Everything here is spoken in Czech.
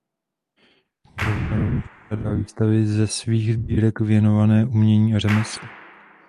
Knihovna rovněž pořádá výstavy ze svých sbírek věnované umění a řemeslu.